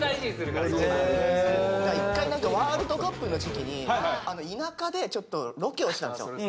一回ワールドカップの時期に田舎でちょっとロケをしたんですよ。